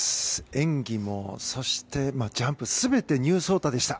演技もそしてジャンプ全てニュー草太でした。